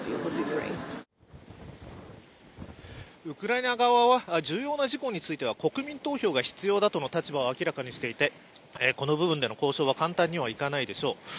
ウクライナ側は重要な事項については国民投票が必要だとの立場を明らかにしていてこの部分での交渉は簡単にはいかないでしょう